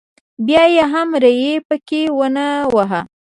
بیا یې هم ری پکې ونه واهه.